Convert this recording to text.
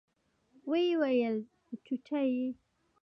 ويې ويل چوچيه.